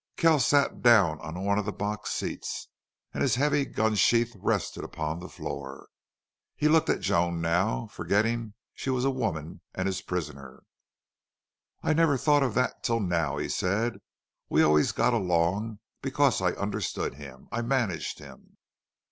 Kells sat down on one of the box seats, and his heavy gun sheath rested upon the floor. He looked at Joan now, forgetting she was a woman and his prisoner. "I never thought of that till now," he said. "We always got along because I understood him. I managed him.